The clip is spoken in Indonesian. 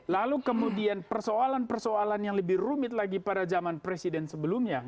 lalu kemudian persoalan persoalan yang lebih rumit lagi pada zaman presiden sebelumnya